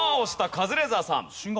カズレーザーさん。